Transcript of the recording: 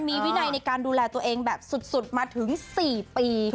มีวินัยในการดูแลตัวเองแบบสุดมาถึง๔ปี